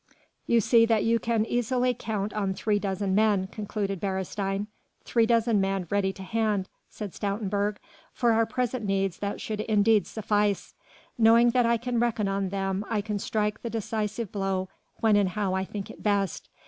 "You see that you can easily count on three dozen men," concluded Beresteyn. "Three dozen men ready to hand," said Stoutenburg, "for our present needs they should indeed suffice. Knowing that I can reckon on them I can strike the decisive blow when and how I think it best.